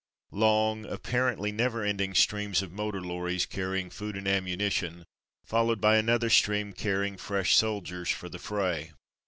Long, apparently never ending streams of motor lorries carrying food and ammuni tion, followed by another stream carrying fresh soldiers for the fray.